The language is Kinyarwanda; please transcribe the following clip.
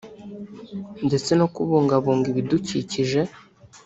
ndetse no kubungabunga ibidukikije